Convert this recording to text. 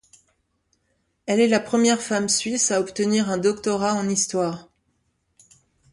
Elle est la première femme suisse à obtenir un doctorat en histoire.